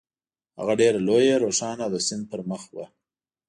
هغه ډېره لویه، روښانه او د سیند پر مخ وه.